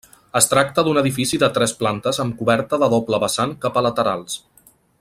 Es tracta d'un edifici de tres plantes amb coberta de doble vessant cap a laterals.